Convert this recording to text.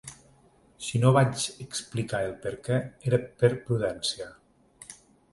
Si no vaig explicar el perquè era per prudència.